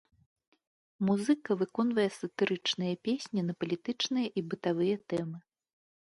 Музыка выконвае сатырычныя песні на палітычныя і бытавыя тэмы.